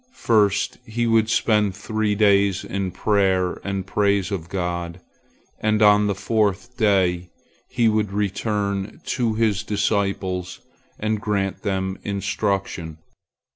First he would spend three days in prayer and praise of God, and on the fourth day he would return to his disciples and grant them instruction.